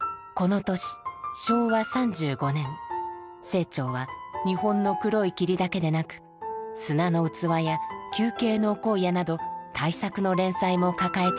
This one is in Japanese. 清張は「日本の黒い霧」だけでなく「砂の器」や「球形の荒野」など大作の連載も抱えていました。